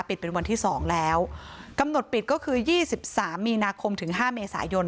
เป็นวันที่สองแล้วกำหนดปิดก็คือยี่สิบสามมีนาคมถึงห้าเมษายน